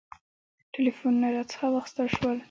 ټلفونونه راڅخه واخیستل شول.